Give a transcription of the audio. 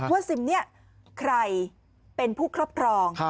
ซิมนี้ใครเป็นผู้ครอบครอง